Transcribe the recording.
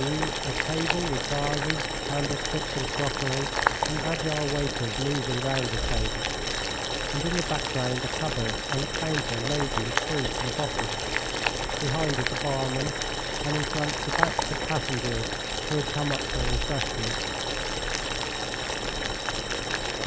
e., a table with vases, candlesticks and crockery, and agile waiters moving round the table, and in the background a cupboard and a counter laden with fruit and bottles, behind it a barman, and in front the backs of passengers who had come up for refreshments.